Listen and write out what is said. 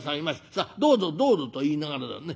さあどうぞどうぞ』と言いながらだね